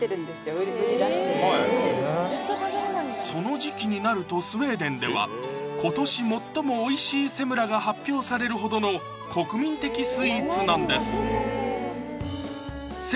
売り出してるその時期になるとスウェーデンでは今年最も美味しいセムラが発表されるほどの国民的スイーツなんです